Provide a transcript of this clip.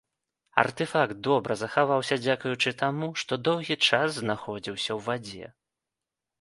Артэфакт добра захаваўся дзякуючы таму, што доўгі час знаходзіўся ў вадзе.